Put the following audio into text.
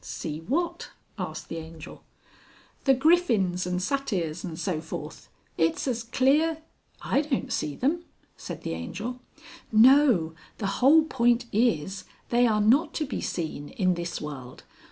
"See what?" asked the Angel. "The Griffins and Satyrs and so forth. It's as clear...." "I don't see them," said the Angel. "No, the whole point is they are not to be seen in this world.